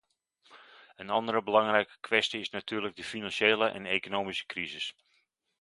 Een andere belangrijke kwestie is natuurlijk de financiële en economische crisis.